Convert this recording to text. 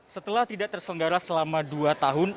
setelah tidak terselenggara selama dua tahun